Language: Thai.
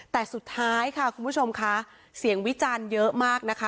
แต่สุดท้ายค่ะคุณผู้ชมค่ะเสียงวิจารณ์เยอะมากนะคะ